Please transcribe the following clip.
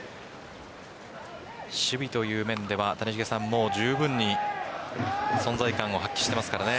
守備という面ではもう十分に存在感を発揮してますからね。